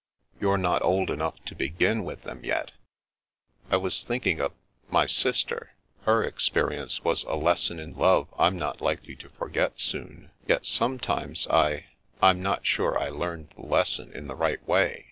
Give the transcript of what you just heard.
" You're not old enough to begin with them yet." " I was thinking of — ^my sister. Her experience was a lesson in love I'm not likely to forget soon. Yet sometimes I — ^I'm not sure I learned the lesson in the right way.